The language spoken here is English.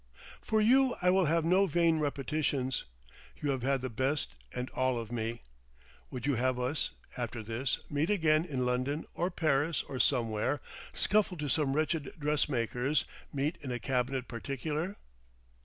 For you I will have no vain repetitions. You have had the best and all of me. Would you have us, after this, meet again in London or Paris or somewhere, scuffle to some wretched dressmaker's, meet in a _cabinet particulier?